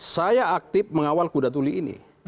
saya aktif mengawal kuda tuli ini